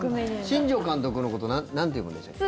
新庄監督のことなんて呼ぶんでしたっけ？